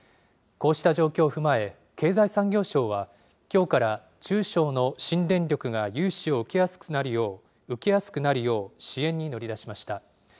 こうした状況を踏まえ、経済産業省は、きょうから中小の新電力が融資を受けやすくなるよう、支援に乗り出しました。